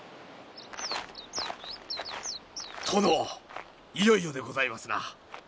殿いよいよでございますな。